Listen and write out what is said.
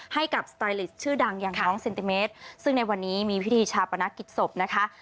ให้กับสไตลิสชื่อดังอย่างน้องเซนติเมตรซึ่งในวันนี้มีพิธีชาปนกิจศพนะคะ